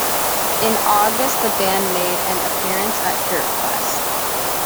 In August, the band made an appearance at Dirt Fest.